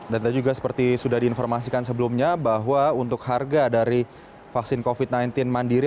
tadi juga seperti sudah diinformasikan sebelumnya bahwa untuk harga dari vaksin covid sembilan belas mandiri